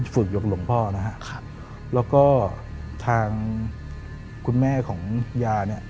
หยกหลวงพ่อนะครับแล้วก็ทางคุณแม่ของยาเนี่ย